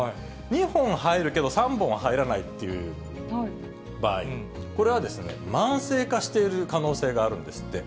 ２本入るけど３本は入らないっていう場合、これは慢性化している可能性があるんですって。